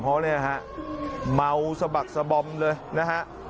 เพราะว่าเมาสบักสบอมเลยนะครับ